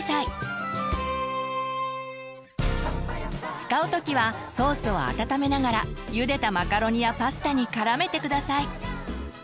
使う時はソースを温めながらゆでたマカロニやパスタに絡めて下さい。